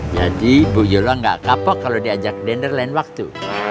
jadi bu yola gak kapok kalau diajak dinner lain waktu